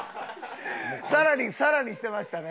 さらにさらにしてましたね。